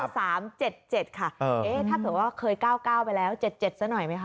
ถ้าเผื่อว่าเคย๙๙ไปแล้ว๗๗๗สักหน่อยไหมคะ